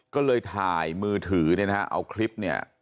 ก็เลยถ่ายมือถือเนี่ยนะฮะเอาคลิปเนี่ย